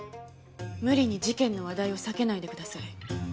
無理に事件の話題を避けないでください。